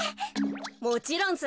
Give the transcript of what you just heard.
もちろんさ。